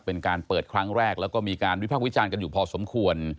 เป็นการเปิดครั้งแรกแล้วก็มีการวิพากษ์วิจารณ์กันอยู่พอสมควร